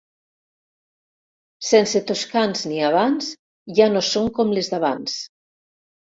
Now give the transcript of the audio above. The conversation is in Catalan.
Sense toscans ni havans ja no són com les d'abans.